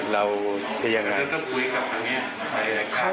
แล้วแต่ยังไง